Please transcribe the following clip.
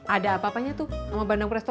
ada apa apanya tuh sama bandang presto